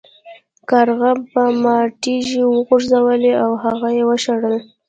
کارغه په مار تیږې وغورځولې او هغه یې وشړل.